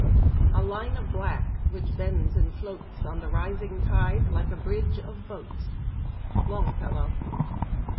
" A line of black, which bends and floats On the rising tide, like a bridge of boats." Longfellow.